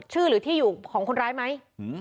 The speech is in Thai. หรือที่อยู่ของคนร้ายไหม